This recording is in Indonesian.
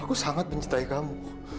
aku sangat mencintai kamu